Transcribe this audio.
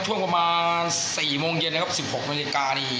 ช่วงประมาณสี่โมงเย็นนะครับสิบหกนิดนาทีนี่